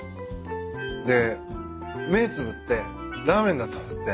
で目つぶってラーメンだと思って。